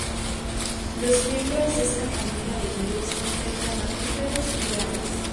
Los miembros de esta familia de virus infectan mamíferos y aves.